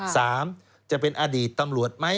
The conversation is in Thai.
จะเป็นอดีตตำรวจไหม